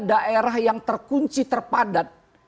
daerah yang terkunci terpadat